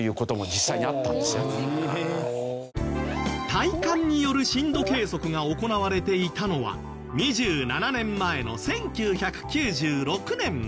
体感による震度計測が行われていたのは２７年前の１９９６年まで。